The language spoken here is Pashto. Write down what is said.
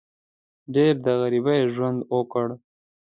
ډېر د غریبۍ ژوند وکړ.